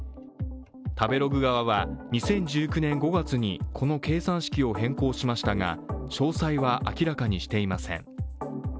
食べログ側は、２０１９年５月にこの計算式を変更しましたが詳細は明らかにしていません。